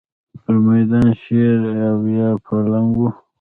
پر مېدان شېر و یا پلنګ و.